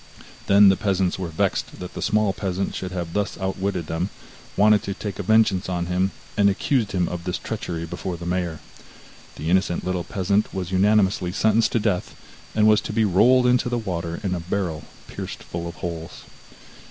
Then the peasants were vexed that the small peasant should have thus outwitted them, wanted to take vengeance on him, and accused him of this treachery before the mayor. The innocent little peasant was unanimously sentenced to death, and was to be rolled into the water, in a barrel pierced full of holes.